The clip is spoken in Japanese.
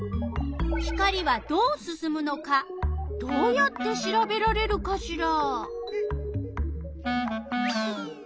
光はどうすすむのかどうやってしらべられるかしら？